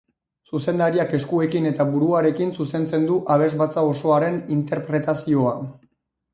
Zuzendariak eskuekin eta buruarekin zuzentzen du abesbatza osoaren interpretazioa.